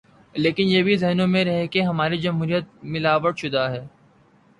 لیکن یہ بھی ذہنوں میں رہے کہ ہماری جمہوریت ملاوٹ شدہ ہے۔